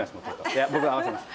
いや僕が合わせます！